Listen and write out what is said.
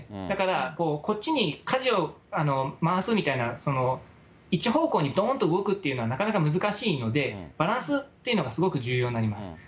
だからこっちにかじを回すみたいな、一方向にどんと動くというのは、なかなか難しいので、バランスというのがすごく重要になります。